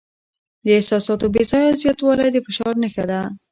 د احساساتو بې ځایه زیاتوالی د فشار نښه ده.